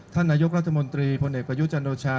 ท่านนายกรัฐมนตรีพลเอกประยุจันโอชา